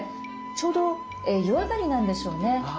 ちょうど湯上がりなんでしょうね。